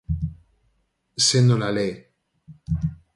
Se nola le.